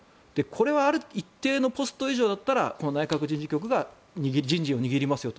ある一定のポスト以上だったらこの内閣人事局が人事を握りますよと。